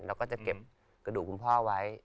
แล้วก็จะเก็บกระดูกคุณพ่อไว้